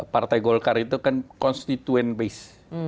partai golkar itu kan constituent base